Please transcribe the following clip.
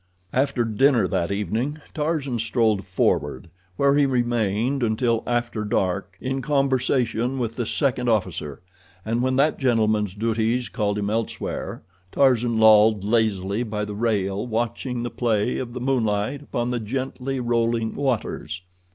After dinner that evening Tarzan strolled forward, where he remained until after dark, in conversation with the second officer, and when that gentleman's duties called him elsewhere Tarzan lolled lazily by the rail watching the play of the moonlight upon the gently rolling waters.